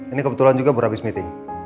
ini kebetulan juga berhabis meeting